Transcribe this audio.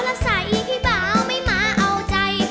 แล้วใส่พี่ใส่ไม่มาเอาใจ